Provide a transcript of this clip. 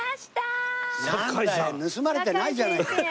盗まれてないじゃないか。